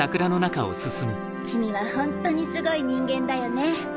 君はホントにすごい人間だよね。